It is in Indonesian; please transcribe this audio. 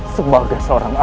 sebagai seorang ayah